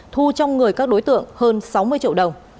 thu trong người các đối tượng hơn sáu mươi triệu đồng